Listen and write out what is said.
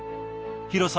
広さ